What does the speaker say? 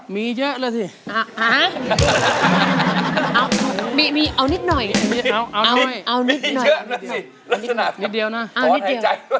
มีเยอะเลยสิเอานิดหน่อย